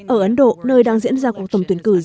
ở ấn độ nơi đang diễn ra cuộc tổng tuyển cử giữa